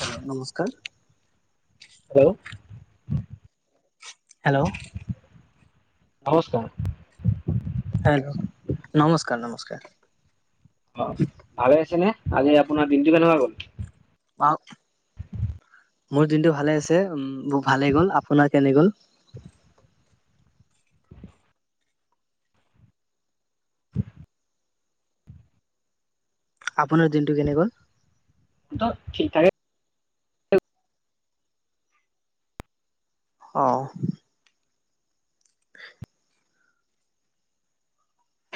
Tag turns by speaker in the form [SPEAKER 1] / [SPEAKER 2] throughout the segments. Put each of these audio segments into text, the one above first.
[SPEAKER 1] Hello! নমস্কাৰ।
[SPEAKER 2] Hello!
[SPEAKER 1] Hello!
[SPEAKER 2] নমস্কাৰ।
[SPEAKER 1] Hello! নমস্কাৰ-নমস্কাৰ।
[SPEAKER 2] অ! ভালে হৈছে নে? আজি আপোনাৰ দিনটো কেনেকুৱা গ'ল?
[SPEAKER 1] অঁ! মোৰ দিনটো ভালে আছে, উম মোৰ ভালে গ'ল। আপোনাৰ কেনে গ'ল?
[SPEAKER 2] [unintelligible]
[SPEAKER 1] আপোনাৰ দিনটো কেনে গ'ল?
[SPEAKER 2] টো ঠিক-ঠাকে।
[SPEAKER 1] অঁ!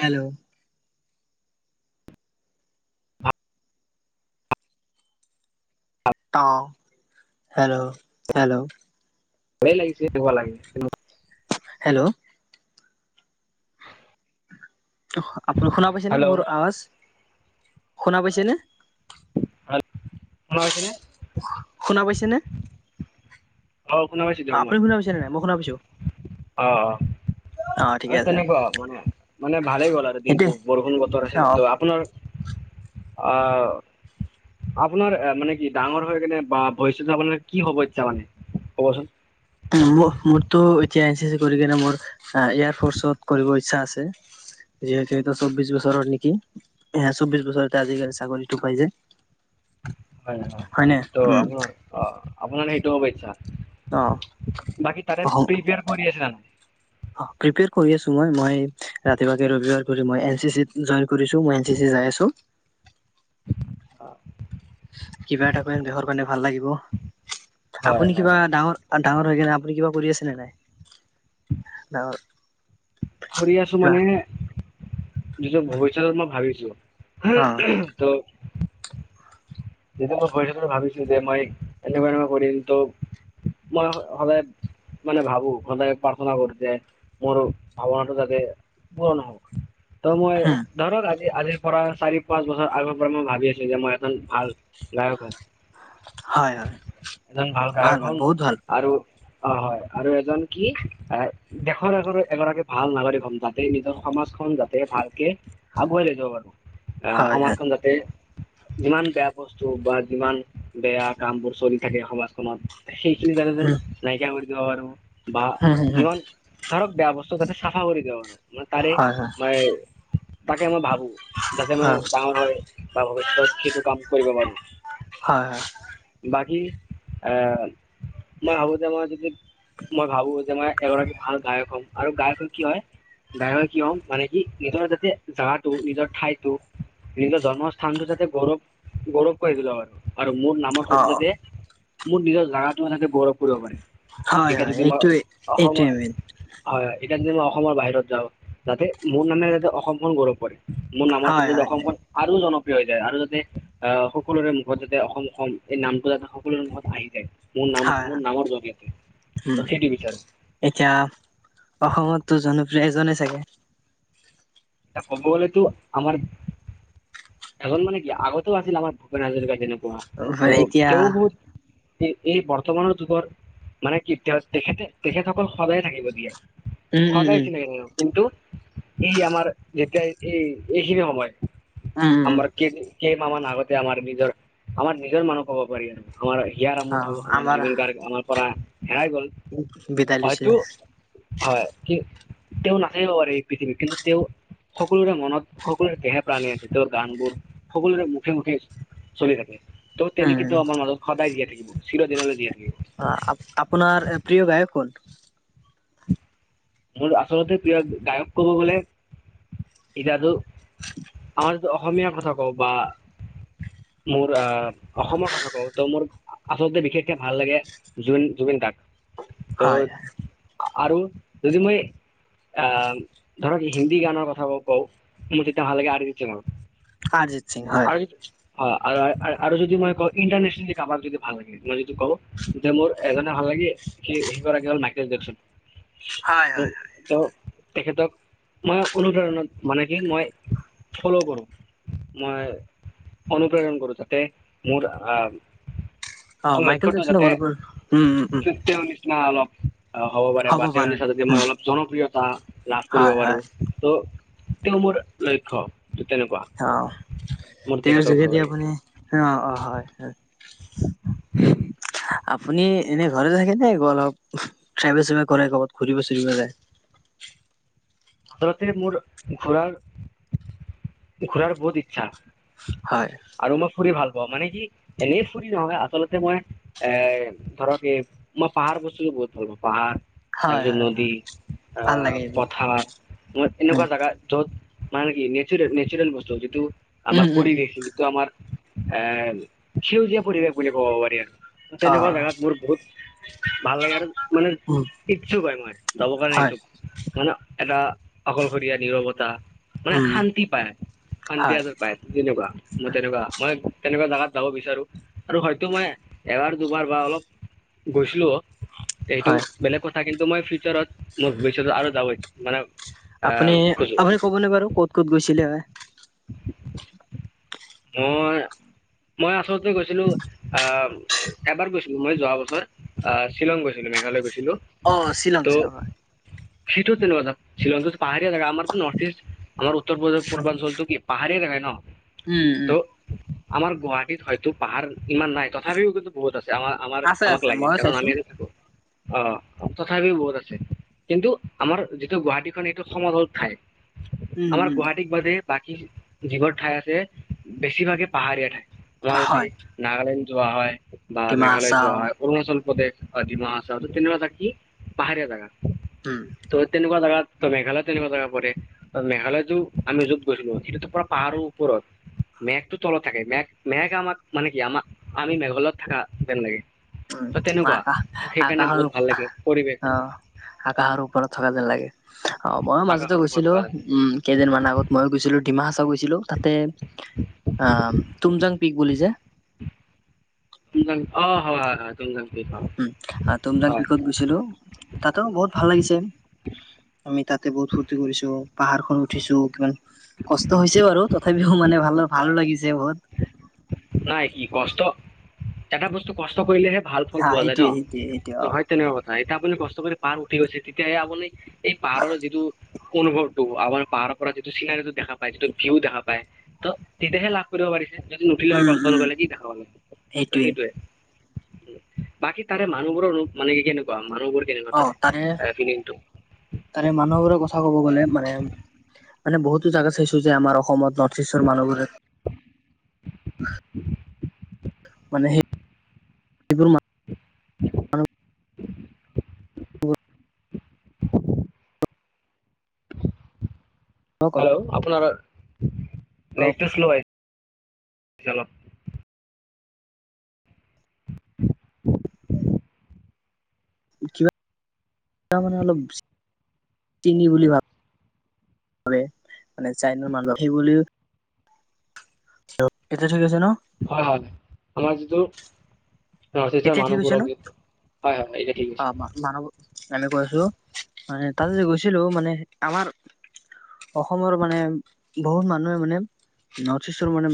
[SPEAKER 1] হেল্ল'!
[SPEAKER 2] ভালেই
[SPEAKER 1] অঁ হেল্ল'-হেল্ল'!
[SPEAKER 2] ভয়েই লাগিছে এনেকুৱা লাগে।
[SPEAKER 1] হেল্ল'! আপুনি শুনা পাইছেনে?
[SPEAKER 2] হেল্ল'
[SPEAKER 1] মোৰ আৱাজ শুনা পাইছেনে?
[SPEAKER 2] হেল্ল! শুনা পাইছে নে?
[SPEAKER 1] শুনা পাইছে নে?
[SPEAKER 2] অঁ! শুনা পাইছোঁ।
[SPEAKER 1] আপুনি শুনা পাইছানে নাই? মই শুনা পাইছোঁ।
[SPEAKER 2] অঁ-অঁ! হয়
[SPEAKER 1] আছে
[SPEAKER 2] তেনেকুৱা মানে। মানে ভালেই গ'ল আৰু
[SPEAKER 1] সেইটোৱে
[SPEAKER 2] দিনটো বৰষুণ বতৰ আছিল। ত আপোনাৰ? অহ! আপোনাৰ মানে কি ডাঙৰ হৈ কেনে বা ভৱিষ্যত আপোনাৰ কি হব ইচ্ছা মানে ক'ব চোন?
[SPEAKER 1] মোৰতো এতিয়া এন চি চি কৰি কিনে মোৰ এয়াৰ ফৰ্চত কৰিব ইচ্ছা আছে। যিহেতু চৌ্বিশ বছৰৰ নেকি? এ চৌব্বিছ বছৰতে আজিকালি চাকৰি টো পাই যায়।
[SPEAKER 2] হয় হয়
[SPEAKER 1] নে
[SPEAKER 2] ত'
[SPEAKER 1] উম
[SPEAKER 2] আপোনাৰ অ আপোনাৰ সেইটো হ'ব ইচ্ছা।
[SPEAKER 1] অ
[SPEAKER 2] বাকী তাৰে প্ৰিপেয়াৰ কৰি আছে জানো
[SPEAKER 1] অ প্ৰিপেয়াৰ কৰি আছো মই মই ৰাতিপুৱাকে ৰবিবাৰ কৰি মই এন চি চি তিত ইনজ কৰিছোঁ মই আজি যে যাই আছোঁ।
[SPEAKER 2] আছ [unintelligible]
[SPEAKER 1] কিবা এটা কৰিম দেশৰ কাৰণে ভাল লাগিব
[SPEAKER 2] হয়
[SPEAKER 1] আপুনি
[SPEAKER 2] হয়
[SPEAKER 1] কিবা ডাঙৰ আৰু ডাঙৰ হৈ কিনে আপুনি কিবা কৰি আছেনে নাই ডাঙৰ
[SPEAKER 2] কৰি আছো
[SPEAKER 1] কিবা
[SPEAKER 2] মানে যিটো ভৱিষ্যত মই
[SPEAKER 1] অ
[SPEAKER 2] ভাবিছো। তো তেতিয়া মই ভৱিষ্যত ভাবিছিলো যে মই এনেকুৱা এনেকুৱা কৰিম তো। মই সদায় মানে ভাবো সদায় প্ৰাৰ্থনা কৰো যে মোৰ ভাৱনাটো যাতে পূৰণ হ'ব। ত' মই ধৰক আজি আজিৰ পৰা চাৰি পাঁচ বছৰ আগৰ পৰা মই ভাবি আছো যে মই এখন ভাল গায়ক হম
[SPEAKER 1] হয় হয়
[SPEAKER 2] একদম ভাল গায়ক হম আৰু। অ হয় আৰু এজন কি এ দেশৰ এগৰাকী ভাল নাগৰিক সন্তান যাতে নিজৰ সমাজখন যাতে ভালকে আগুৱাই লৈ যাব পাৰো। আহ
[SPEAKER 1] হয় হয়
[SPEAKER 2] সমাজখন যাতে যিমান বেয়া বস্তু বা যিমান বেয়া কাম বোৰ চলি থাকে সমাজখনত সেইখিনি যাতে
[SPEAKER 1] উম
[SPEAKER 2] নাইকিয়া কৰি দিব পাৰো বা
[SPEAKER 1] হম হম হম
[SPEAKER 2] যিমান ধৰক বেয়া বস্তু তাতে চাফা কৰি দিব পাৰো। ম তাৰে
[SPEAKER 1] হয় হয়
[SPEAKER 2] মই তাকে মই ভাবো যাতে
[SPEAKER 1] অ
[SPEAKER 2] মই ডাঙৰ হয়। বা ভৱিষ্যত সেইটো কাম কৰিব বাৰু।
[SPEAKER 1] হয় হয়।
[SPEAKER 2] বাকী আহ মই ভাবো যে মোৰ যদি মই ভাবো যে মই এগৰাকী ভাল গায়ক হ'ম। আৰু গায়কৰ কি হয় ডাঙৰ হৈ কি হম মানে কি নিজৰ যাতে জাগাটো নিজৰ ঠাইতটো নিজৰ জন্মস্থানটো যাতে গৌৰৱ। গৌৰৱ কৰি দিলো হয়। আৰু মোৰ নামৰ
[SPEAKER 1] অ
[SPEAKER 2] সৈতে যাতে মোৰ নিজৰ জাগাটো যাতে গৌৰৱ কৰিব পাৰে।
[SPEAKER 1] হয়
[SPEAKER 2] এতিয়া
[SPEAKER 1] হয়
[SPEAKER 2] যদি মই
[SPEAKER 1] এইটোৱে
[SPEAKER 2] অসমত
[SPEAKER 1] এইটোৱে
[SPEAKER 2] হয়
[SPEAKER 1] মেইন
[SPEAKER 2] হয় এতিয়া যদি মই অসমৰ বাহিৰত যাওঁ যাতে মোৰ নামে যাতে অসমখন গৌৰৱ কৰে। মোৰ নামৰ
[SPEAKER 1] হয়
[SPEAKER 2] ক্ষতে
[SPEAKER 1] হয়
[SPEAKER 2] অসমখন আৰু জনপ্ৰিয় হৈ যায় আৰু যাতে। আহ সকলোৰে মুখত যাতে অসম এই নামটো যাতে সকলোৰে মুখত আহি যায়। মোৰ নাম
[SPEAKER 1] হয়
[SPEAKER 2] মোৰ
[SPEAKER 1] হয়
[SPEAKER 2] নামৰ জগয়তে
[SPEAKER 1] উম
[SPEAKER 2] ত সেই কি বিচাৰ
[SPEAKER 1] এতিয়া অসমতো জনপ্ৰিয় এজনে চাগে
[SPEAKER 2] ত কবলৈতো আমাৰ। এখন মানে কি আগতেও আছিল আমাৰ ভূপেন হাজৰিকা যেনেকুৱা ত
[SPEAKER 1] চাগে এতিয়া
[SPEAKER 2] তেও বহুত এই বৰ্তমানৰ যুগৰ মানে কি তেখেতে তেখেতসকল সদায় থাকিব দিয়ে।
[SPEAKER 1] উম উম উম
[SPEAKER 2] সদায় চিনাই কিন্তু এই আমাৰ যেতিয়া এই এইখিনি সময়
[SPEAKER 1] উম উম উম
[SPEAKER 2] আমাৰ কেইদিন কেইমাহ মান আগতে আমাৰ নিজৰ আমাৰ নিজৰ মানুহ কব পাৰি আৰু। আমাৰ হিয়াৰ আমঠু আমাৰ জুবিন গাৰ্গ আমাৰ পৰা হেৰাই গ'ল।
[SPEAKER 1] বিদায় লৈছে।
[SPEAKER 2] হয়তো হয় তেওঁ নাথাকিব পাৰে এই পৃথিৱী কিন্তু তেওঁ সকলোৰে মনত সকলোৰে দেহে প্ৰাণে আছে তেওঁৰ গানবোৰ সকলোৰে মুখে মুখে চলি থাকে ত' তেনে
[SPEAKER 1] উম
[SPEAKER 2] কিন্তু আমাৰ মানুহ সদায় জীয়াই থাকিব চিৰদিনলৈ জীয়াই থাকিব
[SPEAKER 1] অ আপ আপোনাৰ প্ৰিয় গায়ক কোন
[SPEAKER 2] মোৰ আচলতে প্ৰিয় গায়ক কব গ'লে এতিয়াটো আমাৰ অসমীয়া কথা কও বা মোৰ আহ অসমৰ কথা কওঁ ত মোৰ আচলতে বিশেষকে ভাল লাগে জুন জুবিন দাক ত
[SPEAKER 1] হয়
[SPEAKER 2] আৰু যদি মই আহ ধৰক হিন্দী গানৰ কথা কও মোৰ তেতিয়া ভাল লাগে আৰিজিৎ সিংক
[SPEAKER 1] আৰজিৎ সিং হয়
[SPEAKER 2] হয় আৰু আৰু আৰু যদি মই কওঁ ইণ্টাৰনেচনেলি যদি কাৰোবাক যদি ভাল লাগে মই যিটো কওঁ যে মোৰ এজনে ভাল লাগে সি সেইগৰাকী হ'ল মাইকেল জেকচন
[SPEAKER 1] হয়
[SPEAKER 2] ত
[SPEAKER 1] হয় হয়
[SPEAKER 2] তেওঁ তেখেতক মই কোনো ধৰণত মানে কি মই ফল' কৰো মই অনুপ্ৰেৰণ কৰো তাতে মোৰ
[SPEAKER 1] অ
[SPEAKER 2] আহ
[SPEAKER 1] মাইকেল
[SPEAKER 2] লক্ষ্যটো
[SPEAKER 1] জেকচনৰ
[SPEAKER 2] যাতে
[SPEAKER 1] গল্পৰ উম উম উম
[SPEAKER 2] তেওঁৰ নিচিনা অলপ আহ হ'ব পাৰে বা তেওঁৰ নিচিনা যদি মই অলপ জনপ্ৰিয়তা লাভ কৰিব
[SPEAKER 1] হয় হয়
[SPEAKER 2] পাৰো ত তেওঁ মোৰ লক্ষ্য ত তেনেকুৱা
[SPEAKER 1] অঁ
[SPEAKER 2] মোৰ
[SPEAKER 1] তেওঁৰ
[SPEAKER 2] তেখেতক ভাল
[SPEAKER 1] যোগেদি
[SPEAKER 2] লাগে
[SPEAKER 1] আপুনি অ অঁ হয় হয় [unintelligible] আপুনি এনে ঘৰ থাকে নে অলপ ট্ৰেভেল চেভেল কৰে ক'বাত ঘুৰিব চুৰিব যায়
[SPEAKER 2] আচলতে মোৰ ঘূৰাৰ ঘূৰাৰ বহুত ইচ্ছা
[SPEAKER 1] হয়
[SPEAKER 2] আৰু মই ফুৰি ভাল পাওঁ মানে কি এনেই ফুৰি নহয় আচলতে মই এ ধৰক এ মই পাহাৰ বস্তুটো বহুত ভাল পাওঁ পাহাৰ
[SPEAKER 1] হয়
[SPEAKER 2] তাৰপিছত
[SPEAKER 1] হয়
[SPEAKER 2] নদী
[SPEAKER 1] হয় ভাল লাগে
[SPEAKER 2] আহ
[SPEAKER 1] এইবোৰ
[SPEAKER 2] পথাৰ মই এনেকুৱা
[SPEAKER 1] উম
[SPEAKER 2] জাগা য'ত মানে কি নেচুৰেল নেচুৰেল বস্তু যিটো
[SPEAKER 1] উম
[SPEAKER 2] আমাৰ
[SPEAKER 1] উম উম
[SPEAKER 2] পৰিৱেশ যিটো আমাৰ এহ সেউজীয়া পৰিৱেশ বুলি ক'ব পাৰি আৰ
[SPEAKER 1] অ
[SPEAKER 2] তেনেকুৱা জাগাত মোৰ বহুত ভাল লাগে আৰু মানে
[SPEAKER 1] উম
[SPEAKER 2] ইচ্ছুক হয় মই যাবৰ কাৰণে
[SPEAKER 1] হয়
[SPEAKER 2] এইটো মানে এটা অকলশৰীয়া নিৰৱতা মানে
[SPEAKER 1] উম
[SPEAKER 2] শান্তি পায় শান্তি
[SPEAKER 1] হয়
[SPEAKER 2] আৰ পাই তেনেকুৱা যত তেনেকুৱা মই তেনেকুৱা জাগাত যাব বিচাৰো আৰু হয়তো মই এবাৰ দুবাৰ বা অলপ গৈছিলোও সেইটো
[SPEAKER 1] হয়
[SPEAKER 2] বেলেগ কথা কিন্তু মই ফিউচাৰত মোৰ ভৱিষ্যতে আৰু যাব ইচ্ছা মানে আহ
[SPEAKER 1] আপুনি
[SPEAKER 2] খোজো
[SPEAKER 1] আপুনি ক'বনে বাৰু ক'ত ক'ত গৈছিলে হয়
[SPEAKER 2] মই মই আচলতে গৈছিলো আম এবাৰ গৈছিলো মই যোৱা বছৰ আহ শ্বিলং গৈছিলো মেঘালয় গৈছিলো
[SPEAKER 1] অ শ্বিলং শ্বিলং হয়
[SPEAKER 2] সিটো তেনেকুৱা‌ জাগা শ্বিলংটো পাহাৰীয়া জাগা আমাৰতো নৰ্থ ইষ্ট আমাৰ উত্তৰ প্ৰদেশ পূৰ্বাঞ্চলটো কি পাহাৰীয়া জাগাই ন
[SPEAKER 1] উম
[SPEAKER 2] ত
[SPEAKER 1] উম
[SPEAKER 2] আমাৰ গুৱাহাটীত হয়তো পাহাৰ ইমান নাই তথাপিও কিন্তু বহুত আছে আমাৰ আমাৰ
[SPEAKER 1] আছে
[SPEAKER 2] আমাক
[SPEAKER 1] আছে
[SPEAKER 2] লাগে
[SPEAKER 1] ময়ো
[SPEAKER 2] কাৰণ
[SPEAKER 1] চাইছো
[SPEAKER 2] আমি ইয়াতে থাকো অ তথাপিও বহুত আছে কিন্তু আমাৰ যিটো গুৱাহাটীখন এইটো সমতল ঠাই
[SPEAKER 1] উম
[SPEAKER 2] আমাৰ
[SPEAKER 1] উম
[SPEAKER 2] গুৱাহাটীক‌ বাদেই বাকী যিবোৰ ঠাই আছে বেছিভাগে পাহাৰীয়া ঠাই আমাৰ যদি
[SPEAKER 1] হয়
[SPEAKER 2] নাগালেণ্ড যোৱা হয়, বা
[SPEAKER 1] ডিমা
[SPEAKER 2] মেঘালয় যোৱা
[SPEAKER 1] হাচাও
[SPEAKER 2] হয়। অৰুণাচল প্ৰদেশ, ডিমা হাছাও তেনেকুৱা জেগাকৈ পাহাৰীয়া জেগা।
[SPEAKER 1] উম।
[SPEAKER 2] তো তেনেকুৱা জেগাতো মেঘালয়ো তেনেকা জেগা পৰে মেঘালয়তো আমি য'ত গৈছিলোঁ সেইটোটো পুৰা পাহাৰৰ ওপৰত। মেঘটো তলত থাকে মেঘ মেঘ আমাক মানে কি আমাৰ আমি মেঘালয়ত থাকা যেন লাগে।
[SPEAKER 1] উম
[SPEAKER 2] ত' তেনেকুৱা
[SPEAKER 1] আকাশ
[SPEAKER 2] সেইকাৰণে
[SPEAKER 1] আকাশৰ
[SPEAKER 2] বহুত ভাল লাগে পৰিৱেশটো।
[SPEAKER 1] আহ আকাশৰ ওপৰত থকা যেন লাগে অ', ময়ো মাজতেই
[SPEAKER 2] আকাশৰ ওপৰত
[SPEAKER 1] গৈছিলোঁ,
[SPEAKER 2] থকা যেন
[SPEAKER 1] উম। কেইদিনমান আগত মইও গৈছিলোঁ ডিমা হাছাও গৈছিলোঁ, তাতে উম, টুমজাং পীক বুলি যে।
[SPEAKER 2] টুমজাং, অ', হয়, হয়, হয়, টুমজাং।
[SPEAKER 1] উম, তুমজাং পীকত গৈছিলোঁ তাতো বহুত ভাল লাগিছে। আমি তাতে বহুত ফূৰ্তি কৰিছোঁ, পাহাৰখন উঠিছোঁ কিমান কষ্ট হৈছে বাৰু, তথাপিও মানে ভাল
[SPEAKER 2] হয়
[SPEAKER 1] ভালো লাগিছে বহুত।
[SPEAKER 2] নাই কি কষ্ট, এটা বস্তু কষ্ট কৰিলে হে ভাল ফল
[SPEAKER 1] হা
[SPEAKER 2] পোৱা যায়
[SPEAKER 1] সেইটোয়ে
[SPEAKER 2] ন'?
[SPEAKER 1] সেইটোয়ে সেইটোয়ে অ
[SPEAKER 2] [unintelligible] তেনেকুৱা কথা এতিয়া আপুনি কষ্ট কৰি পাহাৰ উঠি গৈছে, তেতিয়া সেই আপুনি সেই পাহাৰৰ যিটো অনুভৱটো আমাৰ পাহাৰৰ পৰা যিটো ছিনাৰীটো দেখা পায়, যিটো ভিউ দেখা পায়, তো তেতিয়া হে লাভ কৰি। যদি নুঠিলে হয়,
[SPEAKER 1] উম
[SPEAKER 2] কষ্ট
[SPEAKER 1] উম
[SPEAKER 2] নকৰিলে তো কি দেখা পালে হয়, তো
[SPEAKER 1] সেইটোয়ে
[SPEAKER 2] সেইটোৱেই। বাকী তাৰে মানুহবোৰৰ ৰূপ কেনেকুৱা, মানুহবোৰে
[SPEAKER 1] অ', তাৰে তাৰে মানুহবোৰৰ কথা ক'ব গ'লে, মানে মানে বহুতেই জেগা চাইছোঁ আমাৰ অসমত। নৰ্থইষ্টৰ মানুহবোৰে মানে সেই এইবোৰ মা
[SPEAKER 2] [inaudible]
[SPEAKER 1] মানুহক
[SPEAKER 2] হেল্ল' আপোনাৰ
[SPEAKER 1] অলপ
[SPEAKER 2] নেটটো স্ল' আহিছে অলপ।
[SPEAKER 1] কিবা মানে অলপ চিনি বুলি ভাব ভাৱে মানে চাইনৰ মানুহ সেইবুলিও [unintelligible] এতিয়া চলিছে ন'?
[SPEAKER 2] হয়, হয়, আমাৰ যিটো নৰ্থইষ্টৰ
[SPEAKER 1] এতিয়া ঠিক হৈছে
[SPEAKER 2] মানুহবোৰ যিটো হয়, হয়, এতিয়া ঠিক আছে।
[SPEAKER 1] মানুহবোৰ মানে কৈছোঁ, মানে তাতে যে গৈছোঁ, মানে আমাৰ অসমৰ মানে বহুত মানুহে মানে নৰ্থইষ্টৰ মানে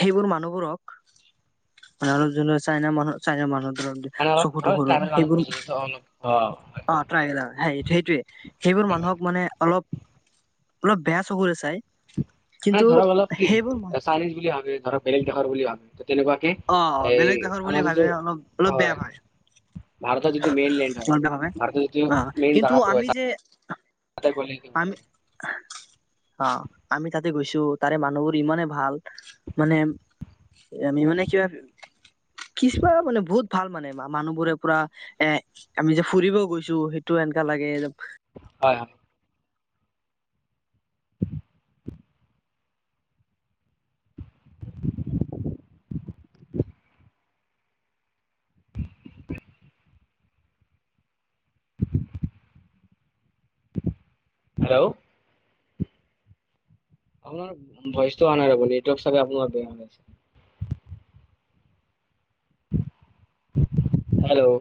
[SPEAKER 1] সেইবোৰ মানুহবোৰক, মানে অলপ যোন চাইনা মানুহ চাইনা মানুহ ধৰণ দেখে।
[SPEAKER 2] মানে অলপ ট্ৰাইবেল মানুহ যেন দেখে অ'।
[SPEAKER 1] অ',
[SPEAKER 2] হয়
[SPEAKER 1] ট্ৰাইবেল হয়, সেইটোৱেই সেইবোৰ
[SPEAKER 2] হয়
[SPEAKER 1] মানুহ মানে অলপ অলপ বেয়া চকুৰে চাই।
[SPEAKER 2] মানে
[SPEAKER 1] কিন্তু
[SPEAKER 2] ধৰক, অলপ কি
[SPEAKER 1] সেইবোৰ মই
[SPEAKER 2] চাইনিজ বুলি ভাবে ধৰক, বেলেগ দেশৰ বুলি ভাবে, তো তেনেকুৱা কে
[SPEAKER 1] অ
[SPEAKER 2] সেই
[SPEAKER 1] বেলেগ দেশৰ বুলি
[SPEAKER 2] আমাৰ
[SPEAKER 1] ভাবি
[SPEAKER 2] যিটো
[SPEAKER 1] অলপ অলপ বেয়া
[SPEAKER 2] হয়।
[SPEAKER 1] পায়
[SPEAKER 2] ভাৰতৰ যিটো মেইনলেণ্ড হয়,
[SPEAKER 1] অলপ বেয়া ভাবে
[SPEAKER 2] ভাৰতৰ যিটো
[SPEAKER 1] অ
[SPEAKER 2] মেইন
[SPEAKER 1] কিন্তু
[SPEAKER 2] জেগা
[SPEAKER 1] আমি
[SPEAKER 2] হয়,
[SPEAKER 1] যে
[SPEAKER 2] তাৰ তাতে গ'লে [unintelligible]
[SPEAKER 1] [inaudible] অ', আমি তাতে গৈছোঁ, তাৰে মানুহবোৰ ইমানেই ভাল, মানে আমি মানে কিবা কিছুমান, মানে বহুত ভাল মানে মানুহবোৰে পুৰা এ', আমি যে ফুৰিব গৈছোঁ, সেইটো এনেকে লাগে যে
[SPEAKER 2] হয়। হেল্ল'! আপোনাৰ ভইচটো অহা নাই, ৰ'ব, নেটৱৰ্কটো চাগে আপোনাৰ বেয়া হৈ আছে। হেল্ল'!